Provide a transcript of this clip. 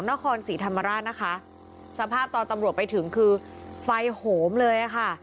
นครศรีธรรมราชนะคะสภาพตอนตำรวจไปถึงคือไฟโหมเลยอ่ะค่ะ